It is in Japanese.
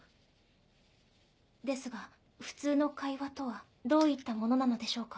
ですが普通の会話とはどういったものなのでしょうか？